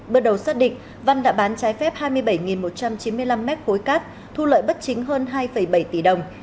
bước đầu xác định văn đã bán trái phép hai mươi bảy một trăm chín mươi năm mét khối cát thu lợi bất chính hơn hai bảy tỷ đồng